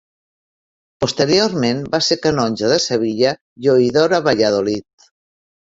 Posteriorment va ser canonge de Sevilla i oïdor a Valladolid.